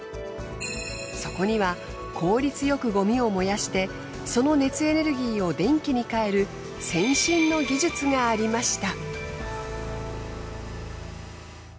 そこには効率よくごみを燃やしてその熱エネルギーを電気に変える先進の技術がありました。